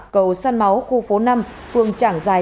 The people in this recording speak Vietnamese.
cầu săn máu khu phố năm phương trảng dài